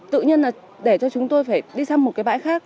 tự nhiên là để cho chúng tôi phải đi sang một cái bãi khác